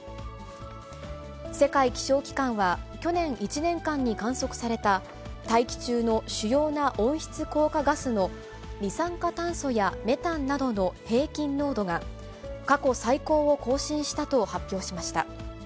世界気象機関は、去年１年間に観測された大気中の主要な温室効果ガスの二酸化炭素やメタンなどの平均濃度が、過去最高を更新したと発表しました。